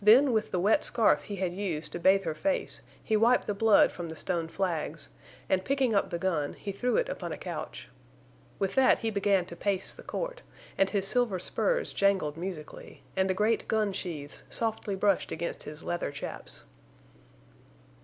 Then with the wet scarf he had used to bathe her face he wiped the blood from the stone flags and, picking up the gun, he threw it upon a couch. With that he began to pace the court, and his silver spurs jangled musically, and the great gun sheaths softly brushed against his leather chaps.